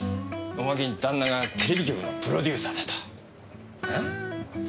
おまけに旦那がテレビ局のプロデューサーだと。